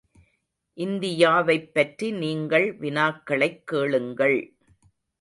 இந்தியாவைப்பற்றி நீங்கள் வினாக்களைக் கேளுங்கள்.